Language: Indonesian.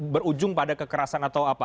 berujung pada kekerasan atau apa